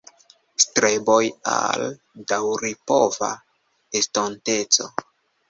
Streboj al daŭripova estonteco"".